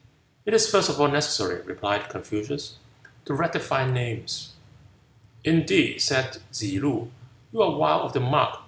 "It is first of all necessary," replied Confucius, "to rectify names." "Indeed," said Tzse loo, "you are wide of the mark.